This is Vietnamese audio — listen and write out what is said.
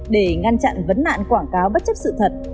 để ngăn chặn vấn nạn quảng cáo bất chấp sự thật